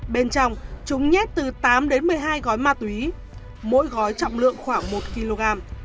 bên trong chúng nhét từ tám đến một mươi hai gói ma túy mỗi gói trọng lượng khoảng một kg